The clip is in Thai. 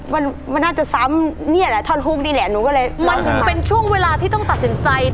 มันมันน่าจะซ้ำนี่แหละท่อนฮุกนี่แหละหนูก็เลยมันถึงเป็นช่วงเวลาที่ต้องตัดสินใจ